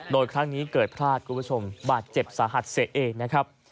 โดยครั้งนี้เกิดพลาดคุณผู้ชมบาดเจ็บสาหัสเสียเองนะครับ